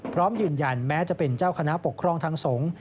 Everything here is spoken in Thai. พร้อมยืนยันแม้จะเป็นเจ้าคณะปกครองทางสงฆ์